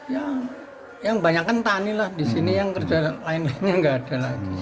ya yang banyak kan tani lah di sini yang kerja lain lainnya nggak ada lagi